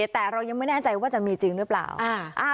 แต่เรายังไม่แน่ใจว่าจะมีจริงหรือเปล่า